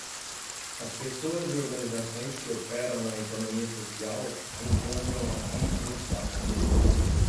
As pessoas e organizações que operam na economia social encontram aqui um espaço.